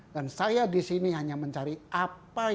dan saya di sini hanya mencari a sampai z